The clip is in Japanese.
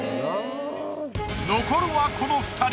残るはこの二人。